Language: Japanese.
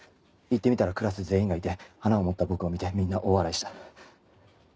行ってみたらクラス全員がいて花を持った僕を見てみんな大笑いした。